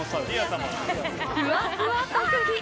ふわふわ特技。